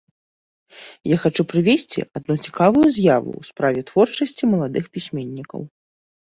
Я хачу прывесці адну цікавую з'яву ў справе творчасці маладых пісьменнікаў.